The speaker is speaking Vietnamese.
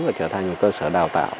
và trở thành một cơ sở đào tạo